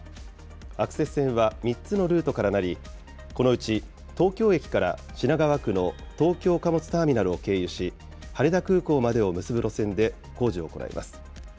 アクセス線は３つのルートからなり、このうち東京駅から品川区の東京貨物ターミナルを経由し、羽田空港までを結ぶ路線で工事を行います。